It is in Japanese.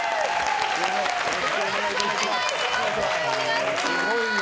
よろしくお願いします。